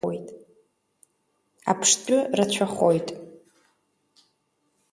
Аԥштәы рацәахоит…